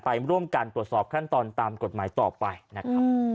ไปร่วมกันตรวจสอบขั้นตอนตามกฎหมายต่อไปนะครับ